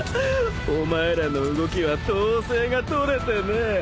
お前らの動きは統制がとれてねえ。